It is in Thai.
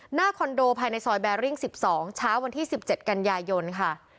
หน้าคอนโดภายในซอยแบริ่งสิบสองเช้าวันที่สิบเจ็ดกันยายนค่ะ